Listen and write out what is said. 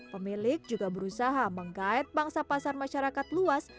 pemilik juga berusaha menggayat bangsa pasar masyarakat luas